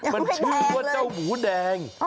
มันชื่อว่าเจ้าหมูแดง